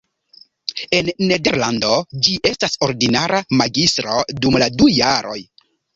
En Nederlando ĝi estas ordinara magistro dum du jaroj.